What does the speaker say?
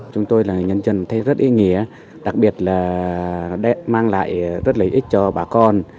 chúng tôi là nhân dân thấy rất ý nghĩa đặc biệt là mang lại rất lợi ích cho bà con